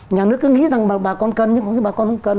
nhà nước cứ nghĩ rằng bà con cần nhưng không như bà con không cần